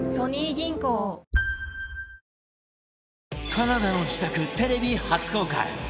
カナダの自宅テレビ初公開！